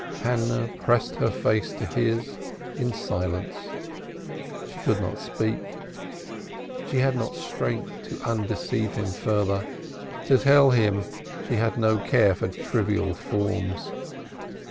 Hannah pressed her face to his in silence. She could not speak. She had not strength to undeceive him further, to tell him she had no care for trivial forms.